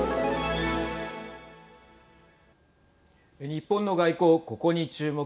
日本の外交、ここに注目。